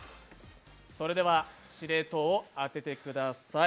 それでは司令塔を当ててください。